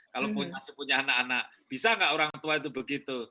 kalau masih punya anak anak bisa nggak orang tua itu begitu